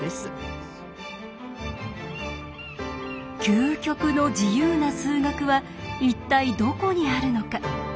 究極の自由な数学は一体どこにあるのか。